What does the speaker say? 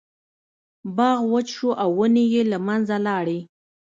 باغ وچ شو او ونې یې له منځه لاړې.